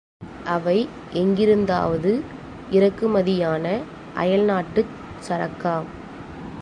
அவை எங்கிருந்தாவது இறக்குமதியான அயல்நாட்டுச் சரக்கா?